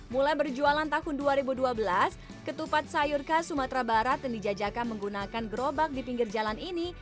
mulai berjualan tahun dua ribu dua belas ketupat sayur khas sumatera barat yang dijajakan menggunakan gerobak di pinggir jalan ini